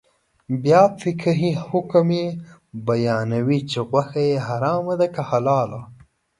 بیا فقهي حکم یې بیانوي چې غوښه یې حرامه ده که حلاله.